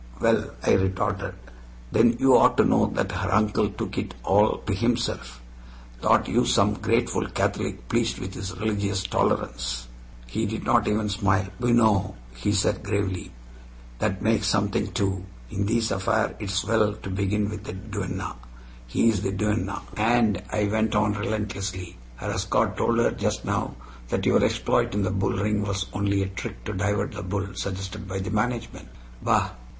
"Well," I retorted, "then you ought to know that her uncle took it all to himself thought you some grateful Catholic pleased with his religious tolerance." He did not even smile. "BUENO," he said gravely. "That make something, too. In thees affair it is well to begin with the duenna. He is the duenna." "And," I went on relentlessly, "her escort told her just now that your exploit in the bull ring was only a trick to divert the bull, suggested by the management." "Bah!